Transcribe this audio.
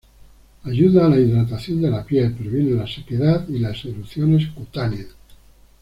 Ayuda a la hidratación de la piel, previene la sequedad y las erupciones cutáneas.